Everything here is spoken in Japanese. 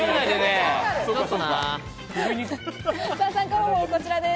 参加方法はこちらです。